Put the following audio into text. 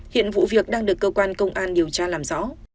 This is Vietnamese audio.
hiện vụ việc đang được cơ quan công an điều tra làm rõ